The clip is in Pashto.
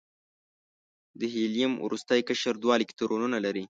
د هیلیم وروستی قشر دوه الکترونونه لري.